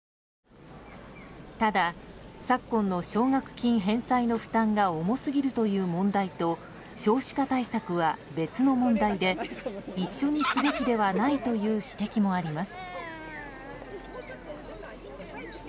ただ昨今の奨学金返済の負担が重すぎるという問題と少子化対策は別の問題で一緒にすべきではないという指摘もあります。